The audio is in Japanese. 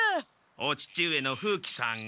お父上の風鬼さんが？